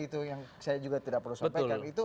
itu yang saya juga tidak perlu sampaikan